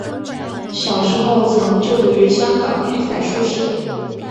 小时候曾就读于香港育才书社。